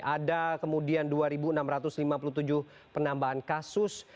ada kemudian dua enam ratus lima puluh tujuh penambahan kasus